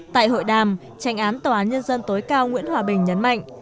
tại hội đàm tranh án tòa án nhân dân tối cao nguyễn hòa bình nhấn mạnh